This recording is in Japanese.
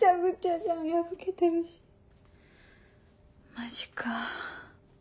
マジか。